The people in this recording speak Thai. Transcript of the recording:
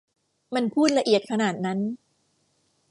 มันพูดละเอียดขนาดนั้น